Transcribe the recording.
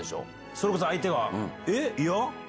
それこそ相手は、えっ？